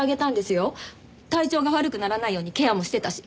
体調が悪くならないようにケアもしてたし。